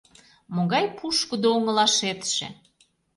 Могай пушкыдо оҥылашетше!